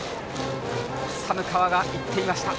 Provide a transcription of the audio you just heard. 寒川が言っていました。